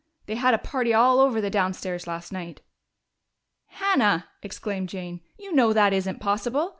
They had a party all over the downstairs last night." "Hannah!" exclaimed Jane. "You know that isn't possible.